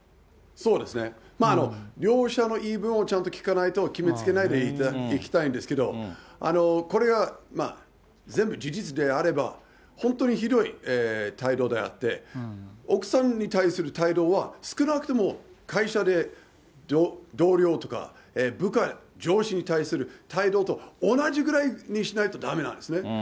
そうですね。両者の言い分をちゃんと聞かないと、決めつけないでいきたいんですけど、これが全部事実であれば、本当にひどい態度であって、奥さんに対する態度は、少なくとも会社で同僚とか部下、上司に対する態度と同じぐらいにしないとだめなんですね。